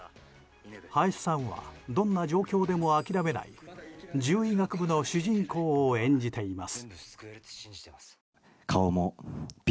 林さんはどんな状況でも諦めない、獣医学部の主人公を演じています。